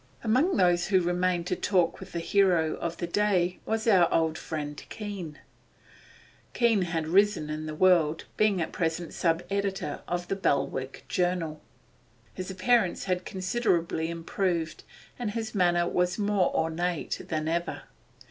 Among those who remained to talk with the hero of the day was our old friend Keene. Keene had risen in the world, being at present sub editor of a Belwick journal. His appearance had considerably improved, and his manner was more ornate than ever.